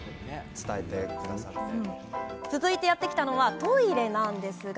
続いて、やって来たのはトイレなんですが。